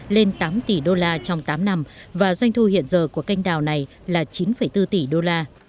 lên tám tỷ đô la trong tám năm và doanh thu hiện giờ của kênh đào này là chín bốn tỷ đô la